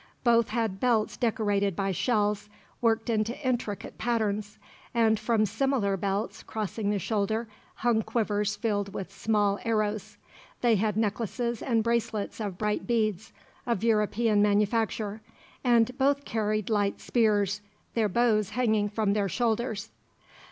Both had belts decorated by shells, worked into intricate patterns; and from similar belts, crossing the shoulder, hung quivers filled with small arrows. They had necklaces and bracelets of bright beads, of European manufacture; and both carried light spears, their bows hanging from their shoulders.